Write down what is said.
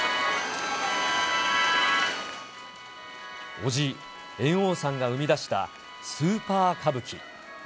伯父、猿翁さんが生み出した、スーパー歌舞伎。